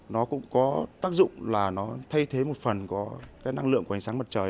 nó cũng có tác dụng là nó thay thế một phần có cái năng lượng của ánh sáng mặt trời